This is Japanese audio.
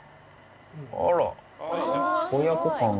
あら。